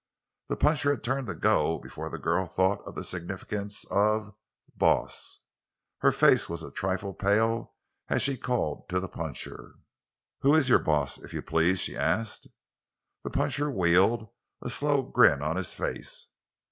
The puncher had turned to go before the girl thought of the significance of the "boss." Her face was a trifle pale as she called to the puncher. "Who is your boss—if you please?" she asked. The puncher wheeled, a slow grin on his face.